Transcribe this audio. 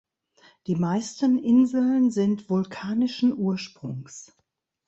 Die meisten Inseln sind vulkanischen Ursprungs.